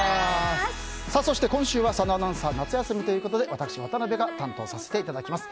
そして今週は佐野アナウンサー夏休みということで私、渡辺が担当させていただきます。